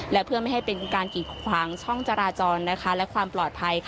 และเพื่อไม่ให้เป็นการกิดขวางช่องจราจรและความปลอดภัย